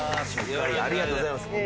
ありがとうございます。